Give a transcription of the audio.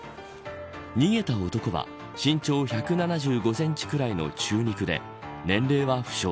逃げた男は、身長１７５センチくらいの中肉で年齢は不詳。